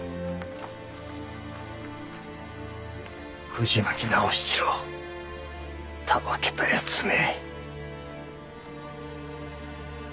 藤巻直七郎たわけた奴め。